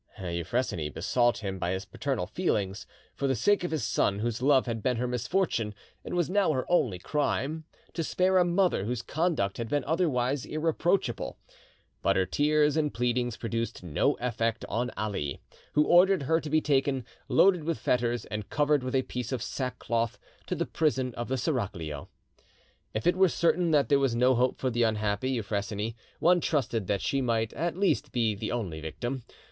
Euphrosyne besought him by his paternal feelings, for the sake of his son whose love had been her misfortune and was now her only crime, to spare a mother whose conduct had been otherwise irreproachable. But her tears and pleadings produced no effect on Ali, who ordered her to be taken, loaded with fetters and covered with a piece of sackcloth, to the prison of the seraglio. If it were certain that there was no hope for the unhappy Euphrosyne, one trusted that she might at least be the only victim.